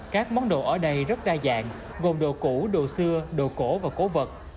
các món đồ ở đây rất đa dạng gồm đồ cũ đồ xưa đồ cổ và cổ vật